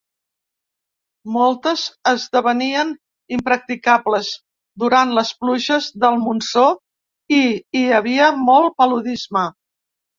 Moltes esdevenien impracticables durant les pluges del monsó i hi havia molt paludisme.